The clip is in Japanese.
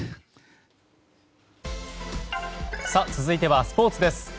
続いては、スポーツです。